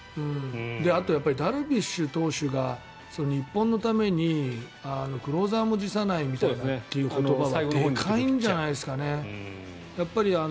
あとはダルビッシュ投手が日本のためにクローザーも辞さないというような起用法はでかいんじゃないですかね。